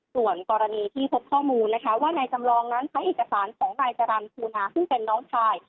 ส่วนกรณีที่พบข้อมูลนะคะว่านายจำลองนั้นใช้เอกสารของนายจรรย์ภูนาซึ่งเป็นน้องชาย